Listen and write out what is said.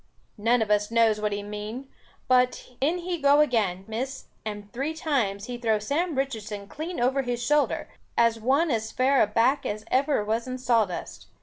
None of us knows what he mean, but in he go again, Miss, and three times he throw Sam Richardson clean over his shoulder, and one as fair a back as ever was in sawdust.